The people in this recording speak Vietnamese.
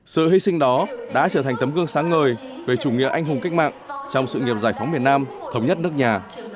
sự hy sinh đó đã trở thành tấm gương sáng ngời về chủ nghĩa anh hùng cách mạng trong sự nghiệp giải phóng miền nam thống nhất nước nhà